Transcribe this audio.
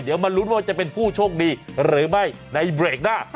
เดี๋ยวมาลุ้นว่าจะเป็นผู้โชคดีหรือไม่ในเบรกหน้า